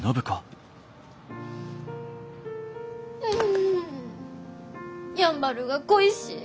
んやんばるが恋しい。